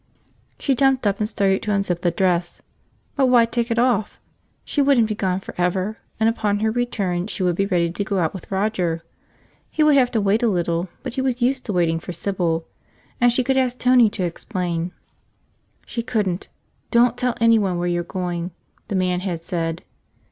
She jumped up and started to unzip the dress. But why take it off? She wouldn't be gone forever and upon her return she would be ready to go out with Roger. He would have to wait a little but he was used to waiting for Sybil. And she could ask Tony to explain. ... She couldn't. Don't tell anyone where you're going, the man had said.